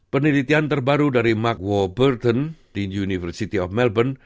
penelitian terbaru dari mark warburton di university of melbourne